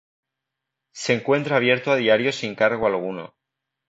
Se encuentra abierto a diario sin cargo alguno.